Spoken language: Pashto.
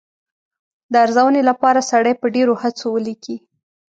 د ارزونې لپاره سړی په ډېرو هڅو ولیکي.